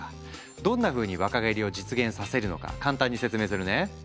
どんなふうに若返りを実現させるのか簡単に説明するね。